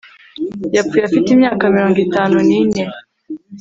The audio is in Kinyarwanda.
Yapfuye afite imyaka mirongo itanu nine